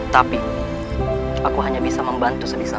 tapi aku hanya bisa membantu sebisaku